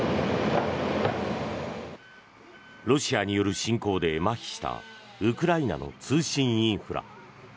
ロシアによる侵攻でまひしたウクライナの通信インフラ。